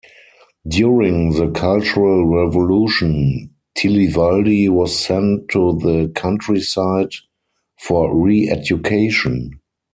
During the Cultural Revolution, Tiliwaldi was sent to the countryside for "re-education".